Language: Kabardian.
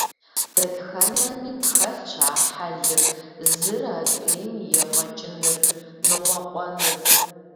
Дэтхэнэми тхэлъщ а хьэлыр – зыр адрейм ефӀэкӀыныр, ныкъуэкъуэныр.